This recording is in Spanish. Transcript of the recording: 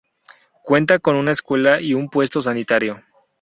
Cuenta con una escuela y un puesto sanitario.